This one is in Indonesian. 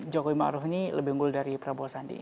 jokowi ma'ruf ini lebih unggul dari prabowo sandi